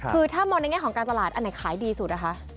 คือถ้ามองในแง่ของการตลาดอันไหนขายดีสุดนะคะ